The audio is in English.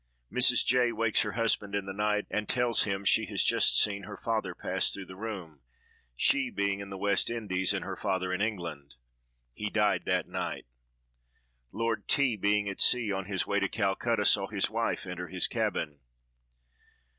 Mrs. J—— wakes her husband in the night, and tells him she has just seen her father pass through the room—she being in the West Indies and her father in England. He died that night. Lord T—— being at sea, on his way to Calcutta, saw his wife enter his cabin.